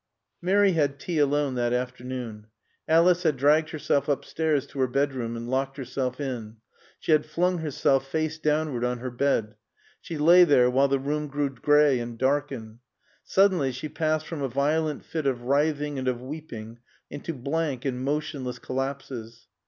Mary had tea alone that afternoon. Alice had dragged herself upstairs to her bedroom and locked herself in. She had flung herself face downward on her bed. She lay there while the room grew gray and darkened. Suddenly she passed from a violent fit of writhing and of weeping into blank and motionless collapses.